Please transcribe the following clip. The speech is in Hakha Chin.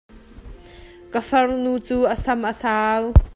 Ka far nu cu a sam a sau.